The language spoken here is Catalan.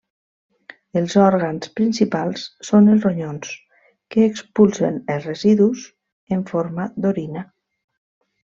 Els òrgans principals són els ronyons que expulsen els residus en forma d'orina.